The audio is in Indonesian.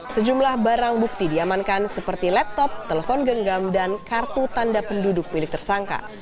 sejumlah barang bukti diamankan seperti laptop telepon genggam dan kartu tanda penduduk milik tersangka